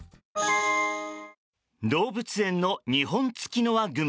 動物園のニホンツキノワグマ。